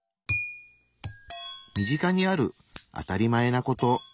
身近にある「あたりまえ」なこと。